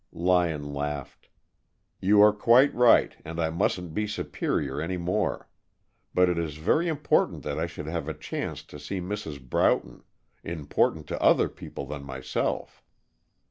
Lyon laughed. "You are quite right, and I mustn't be superior any more. But it is very important that I should have a chance to see Mrs. Broughton, important to other people than myself."